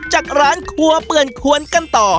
จากร้านครัวเปื่อนควรกันต่อ